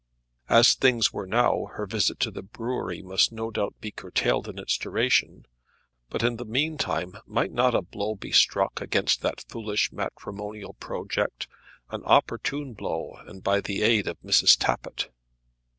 As things were now, her visit to the brewery must no doubt be curtailed in its duration; but in the mean time might not a blow be struck against that foolish matrimonial project, an opportune blow, and by the aid of Mrs. Tappitt?